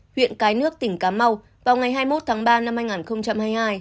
huyện cái nước tỉnh cà mau vào ngày hai mươi một tháng ba năm hai nghìn hai mươi hai